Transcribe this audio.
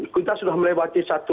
kita sudah melewati satu